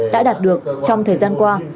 đã đạt được trong thời gian qua